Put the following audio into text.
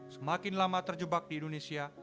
semakin lama terjebak di indonesia